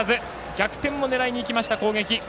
逆転も狙いにいきました攻撃。